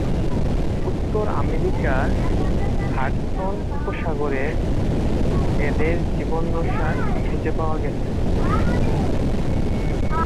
উত্তর আমেরিকার হাডসন উপসাগরে এদের জীবাশ্ম খুঁজে পাওয়া গেছে।